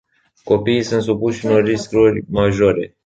Copiii sunt supuși unor riscuri majore.